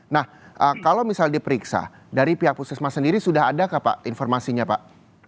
nah kalau misal diperiksa dari pihak puskesmas sendiri sudah adakah pak informasinya pak